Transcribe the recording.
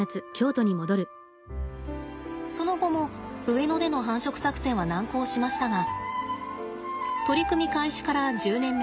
その後も上野での繁殖作戦は難航しましたが取り組み開始から１０年目。